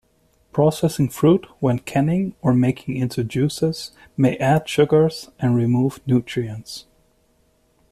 Processing fruit when canning or making into juices may add sugars and remove nutrients.